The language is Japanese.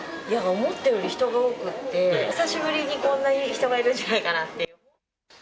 思ったより人が多くって、久しぶりにこんなに人がいるんじゃないかなって。